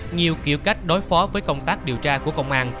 nhiều kiểu cách đối phó với công tác điều tra của công an